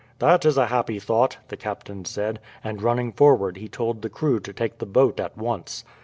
"That is a happy thought," the captain said; and running forward he told the crew to take the boat at once.